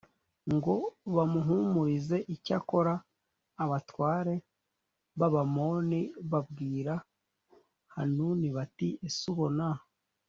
ngo bamuhumurize Icyakora abatware b Abamoni babwira Hanuni bati ese ubona